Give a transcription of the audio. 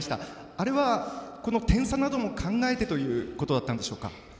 あれは、点差なども考えてということだったでしょうか？